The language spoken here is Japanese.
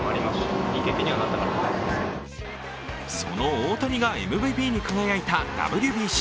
大谷がＭＶＰに輝いたＷＢＣ。